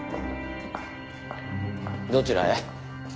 どちらへ？